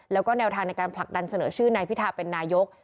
แล้วก็แนวทางในการผลักดันเสนอชื่อนายพิธาเป็นนายก